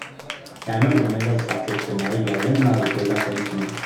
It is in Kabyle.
Yeɛni ur ẓriɣ ma yella d sseḥ d tafekka-nneɣ i yeɛyan neɣ deg wallaɣ kan itent-nuɣ.